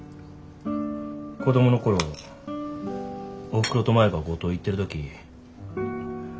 子供の頃おふくろと舞が五島行ってる時。